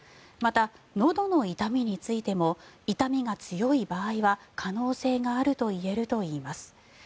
また、のどの痛みについても痛みが強い場合は可能性があるといえるといいます。